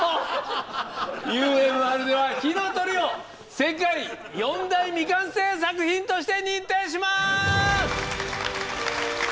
ＵＭＲでは「火の鳥」を世界四大未完成作品として認定します！